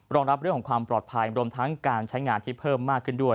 รองรับเรื่องของความปลอดภัยรวมทั้งการใช้งานที่เพิ่มมากขึ้นด้วย